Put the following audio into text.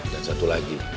dan satu lagi